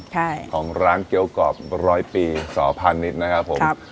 ใช่ของร้านเกี้ยวกรอบร้อยปีสอพาณิชย์นะครับผมครับ